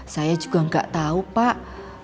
saya juga gak tau pak